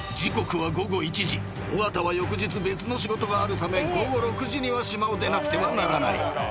尾形は翌日別の仕事があるため午後６時には島を出なくてはならない］